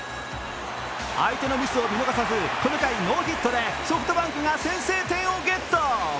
相手のミスを見逃さず、この回ノーヒットでソフトバンクが先制点をゲット。